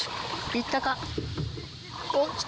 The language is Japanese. いったか？